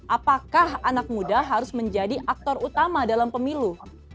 apakah anak muda harus menjadi aktor utama dalam pemilu